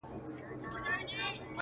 چي نور ساده راته هر څه ووايه-